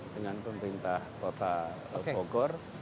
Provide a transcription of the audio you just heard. dengan pemerintah kota bogor